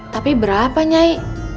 tapi berapa nyai